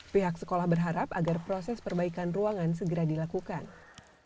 pihak sekolah berharap agar prosesnya bisa berjalan dengan lebih baik